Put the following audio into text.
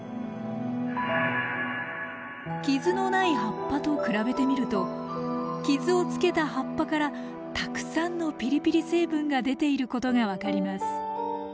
傷のない葉っぱと比べてみると傷をつけた葉っぱからたくさんのピリピリ成分が出ていることが分かります。